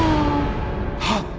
はっ！